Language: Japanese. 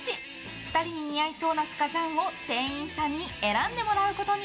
２人に似合いそうなスカジャンを店員さんに選んでもらうことに。